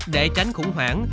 để tránh khủng hoảng